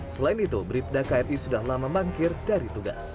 selain itu bribda kri sudah lama mangkir dari tugas